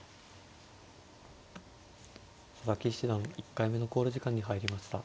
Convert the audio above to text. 佐々木七段１回目の考慮時間に入りました。